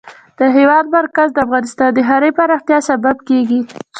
د هېواد مرکز د افغانستان د ښاري پراختیا سبب کېږي.